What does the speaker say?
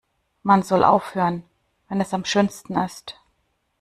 Man soll aufhören, wenn es am schönsten ist.